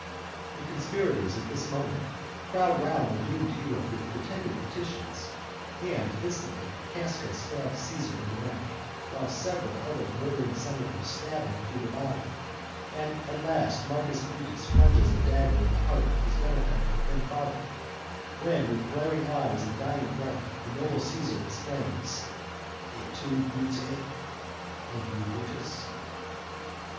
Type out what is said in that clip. "_ The conspirators at this moment crowd around the doomed hero with pretended petitions and, instanter, Casca stabs Cæsar in the neck, while several other murdering senators stab him through the body, and last Marcus Brutus plunges a dagger in the heart of his benefactor and father, when with glaring eyes and dying breath, the noble Cæsar exclaims: "Et tu, Brute?" (And thou, Brutus?)